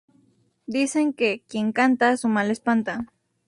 dicen que... quien canta, su mal espanta.